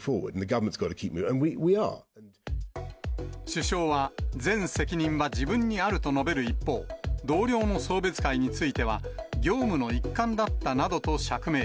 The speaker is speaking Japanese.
首相は、全責任は自分にあると述べる一方、同僚の送別会については、業務の一環だったなどと釈明。